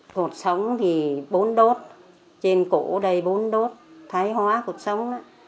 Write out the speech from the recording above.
cuộc sống thì bốn đốt trên cổ đầy bốn đốt thái hóa cuộc sống